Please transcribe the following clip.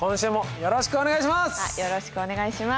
よろしくお願いします。